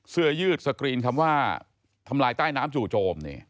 เสื้อยืดสกรีนคำว่าทำลายใต้น้ำจู่โจม